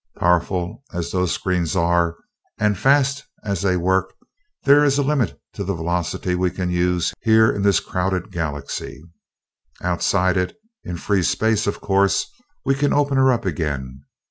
Powerful as those screens are and fast as they work, there is a limit to the velocity we can use here in this crowded Galaxy. Outside it, in free space, of course we can open her up again.